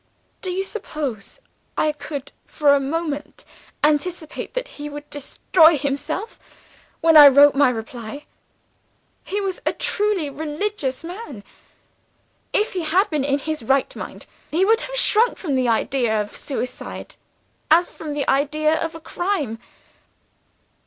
'Do you suppose I could for a moment anticipate that he would destroy himself, when I wrote my reply? He was a truly religious man. If he had been in his right mind, he would have shrunk from the idea of suicide as from the idea of a crime.